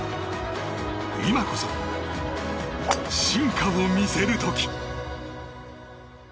今こそ、進化を見せる時。